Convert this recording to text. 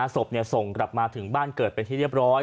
ศพส่งกลับมาถึงบ้านเกิดเป็นที่เรียบร้อย